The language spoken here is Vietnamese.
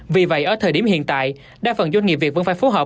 vì vậy ở thời điểm hiện tại đa phần doanh nghiệp việt vẫn phải phối hợp